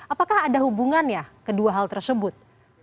apakah ada hubungan ya kedua hal tersebut